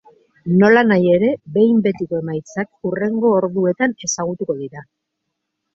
Nolanahi ere, behin betiko emaitzak hurrengo orduetan ezagutuko dira.